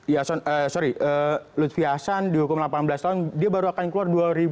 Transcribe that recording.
yason eh sorry lutfi hasan dihukum delapan belas tahun dia baru akan keluar dua ribu dua puluh dua